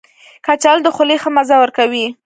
کچالو د خولې ښه مزه ورکوي